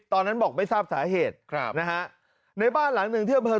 ตอนนั้นบอกไม่ทราบสาเหตุครับนะฮะในบ้านหลังหนึ่งที่อำเภอ